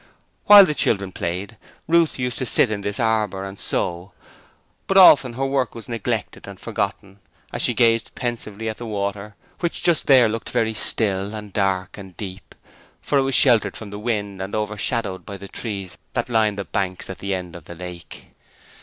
While the children played Ruth used to sit in this arbour and sew, but often her work was neglected and forgotten as she gazed pensively at the water, which just there looked very still, and dark, and deep, for it was sheltered from the wind and over shadowed by the trees that lined the banks at the end of the lake.